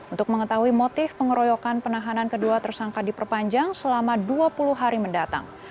untuk mengetahui motif pengeroyokan penahanan kedua tersangka diperpanjang selama dua puluh hari mendatang